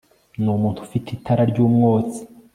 Numuntu ufite itara ryumwotsi